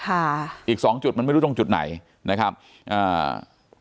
ค่ะอีกสองจุดมันไม่รู้ตรงจุดไหนนะครับอ่า